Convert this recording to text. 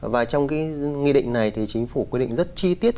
và trong cái nghị định này thì chính phủ quy định rất chi tiết